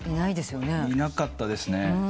いなかったですね。